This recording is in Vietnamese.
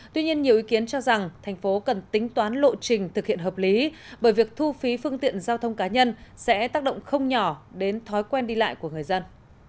tuy nhiên nhiều ý kiến cho rằng thành phố cần tính toán lộ trình thực hiện hợp lý bởi việc thu phí phương tiện giao thông cá nhân sẽ tác động không nhỏ đến thói quen đi lại của người dân